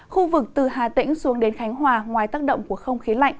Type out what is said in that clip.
khu vực từ hà tĩnh xuống đến khánh hòa ngoài tác động của không khí lạnh